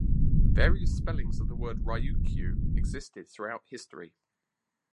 Various spellings of the word "Ryukyu" existed throughout history.